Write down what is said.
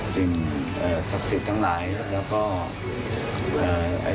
เอ่อศักดิ์สิทธิ์ทั้งหลายแล้วก็เอ่อ